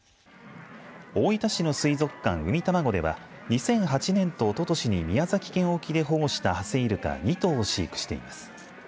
大分市の水族館、うみたまごでは２００８年とおととしに宮崎県沖で保護したハセイルカ２頭を飼育しています。